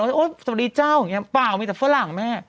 โอ๊ยสวัสดีเจ้าอย่างนี้เปล่ามีแต่ฝรั่งแม่